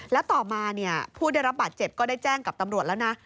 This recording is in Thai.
แล้วต่อมาผู้ได้รับบาดเจ็บก็ได้แจ้งกับตำรวจแล้วนะ